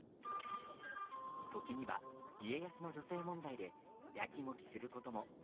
時には、家康の女性問題でやきもきすることも。